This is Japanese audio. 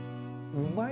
うまい？